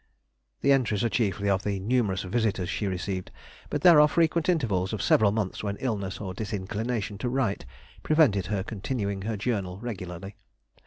The entries are chiefly of the numerous visitors she received, but there are frequent intervals of several months when illness or disinclination to write prevented her continuing her Journal regularly.